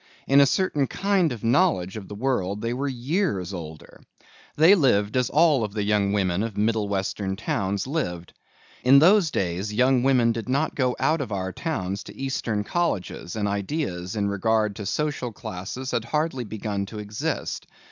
In a certain kind of knowledge of the world they were years older. They lived as all of the young women of Middle Western towns lived. In those days young women did not go out of our towns to Eastern colleges and ideas in regard to social classes had hardly begun to exist.